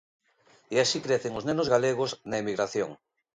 E así crecen os nenos galegos na emigración.